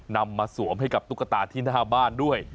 นำมาสวมให้กับตุ๊กตาที่หน้าบ้านด้วย